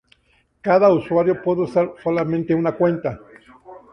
Cada usuario puede usar solamente una cuenta.